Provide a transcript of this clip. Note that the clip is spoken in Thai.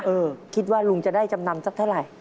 เออคิดว่าลุงจะได้จำนำสักเท่าไหร่